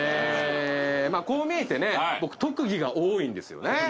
こう見えて僕特技が多いんですよね。